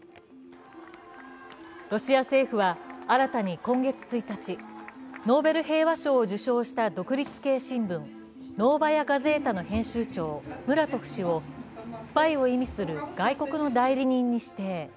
ロシア政府は新たに今月１日、ノーベル平和賞を受賞した独立系新聞「ノーバヤ・ガゼータ」の編集長ムラトフ氏をスパイを意味する外国の代理人に指定。